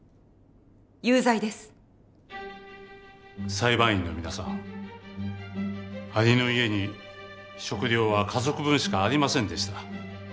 裁判員の皆さんアリの家に食料は家族分しかありませんでした。